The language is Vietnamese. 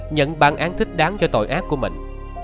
nhận bản án thích đáng cho tội ác của mình